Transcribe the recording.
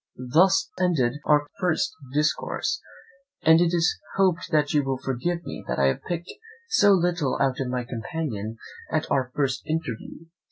Thus ended our first discourse; and it is hoped that you will forgive me that I have picked so little out of my companion at our first interview.